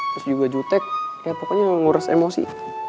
terus juga jutek ya pokoknya ngurus emosi